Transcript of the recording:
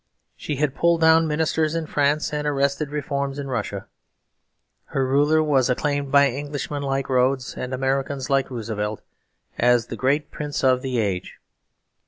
She had pulled down ministers in France and arrested reforms in Russia. Her ruler was acclaimed by Englishmen like Rhodes, and Americans like Roosevelt, as the great prince of the age.